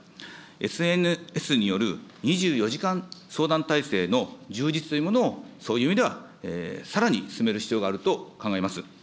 ＳＮＳによる２４時間相談体制の充実というものを、そういう意味では、さらに進める必要があると考えます。